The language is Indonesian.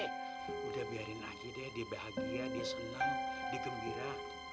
sudah biarin aja deh dia bahagia dia senang dia gembira